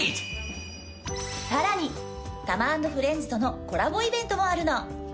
さらにタマ＆フレンズとのコラボイベントもあるの。